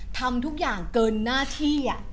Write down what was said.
ทำทุกอย่างเกินหน้าที่